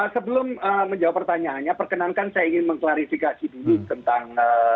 sebelum menjawab pertanyaannya perkenankan saya ingin mengklarifikasi dulu tentang